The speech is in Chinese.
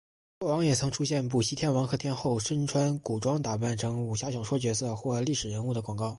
过往也曾出现补习天王和天后身穿古装打扮成武侠小说角色或历史人物的广告。